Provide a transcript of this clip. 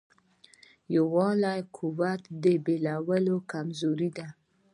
یووالی قوت دی بېلوالی کمزوري ده.